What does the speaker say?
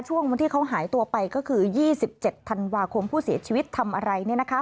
ช่วงวันที่เขาหายตัวไปก็คือ๒๗ธันวาคมผู้เสียชีวิตทำอะไร